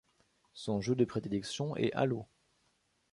Son jeu de prédilection est Halo.